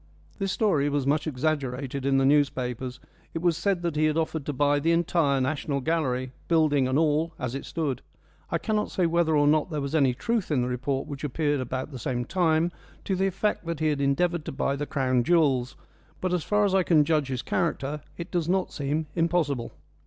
This story was much exaggerated in the newspapers; it was said that he had offered to buy the entire National Gallery, building and all, as it stood. I cannot say whether or not there was any truth in the report which appeared about the same time, to the effect that he had endeavoured to buy the Crown jewels; but, as far as I can judge his character, it does not seem impossible.